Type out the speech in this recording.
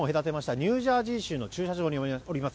ニュージャージー州の駐車場にいます。